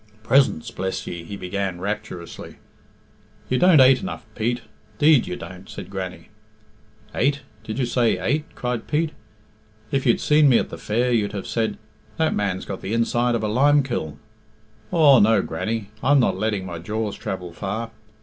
"Presents, bless ye," he began rapturously "You don't ate enough, Pete, 'deed you don't," said Grannie. "Ate? Did you say ate?" cried Pete. "If you'd seen me at the fair you'd have said, 'That man's got the inside of a limekiln!' Aw, no, Grannie, I'm not letting my jaws travel far.